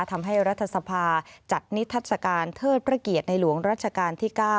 ทำให้รัฐสภาจัดนิทัศกาลเทิดพระเกียรติในหลวงรัชกาลที่๙